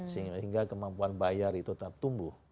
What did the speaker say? sehingga kemampuan bayar itu tetap tumbuh